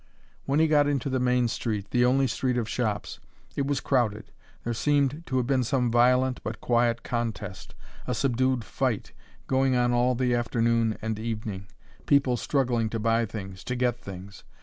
When he got into the main street, the only street of shops, it was crowded. There seemed to have been some violent but quiet contest, a subdued fight, going on all the afternoon and evening: people struggling to buy things, to get things.